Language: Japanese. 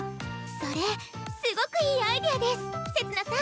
それすごくいいアイデアですせつ菜さん！